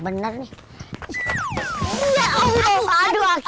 mereka dimemang masuk